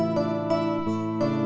gak ada yang peduli